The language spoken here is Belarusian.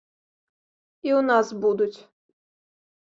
І ў нас будуць.